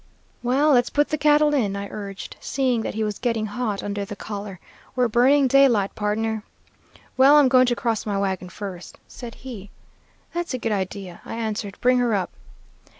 "'Well, let's put the cattle in,' I urged, seeing that he was getting hot under the collar. 'We're burning daylight, pardner.' "'Well, I'm going to cross my wagon first,' said he. "'That's a good idea,' I answered. 'Bring her up.'